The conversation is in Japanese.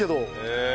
へえ。